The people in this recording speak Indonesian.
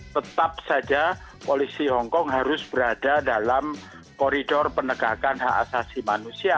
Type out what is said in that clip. tetap saja polisi hongkong harus berada dalam koridor penegakan hak asasi manusia